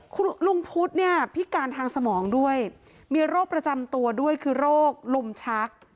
คุณลุงพุทธเนี่ยพิการทางสมองด้วยมีโรคประจำตัวด้วยคือโรคลมชัก